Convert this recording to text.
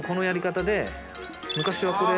昔はこれ。